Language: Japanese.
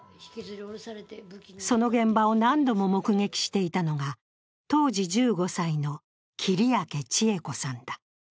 その現場を何度も目撃していたのが当時１５歳の切明千枝子さんだ。